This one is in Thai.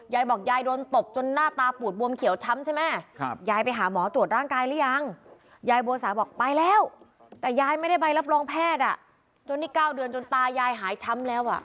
แย้บอกแย้ยโดนตบจนหน้าตาปูดบวมเขียวช้ำใช่ไหม